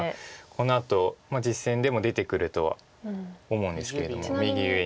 このあと実戦でも出てくるとは思うんですけれども右上に。